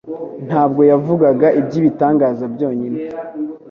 Ntabwo yavugaga; iby'ibitangaza byonyine,